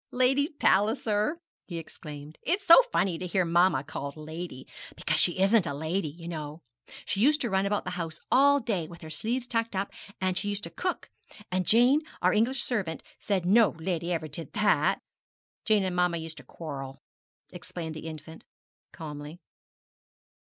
'Lady Palliser!' he exclaimed, 'it's so funny to hear mamma called Lady: because she isn't a lady, you know. She used to run about the house all day with her sleeves tucked up, and she used to cook; and Jane, our English servant, said no lady ever did that. Jane and mamma used to quarrel,' explained the infant, calmly.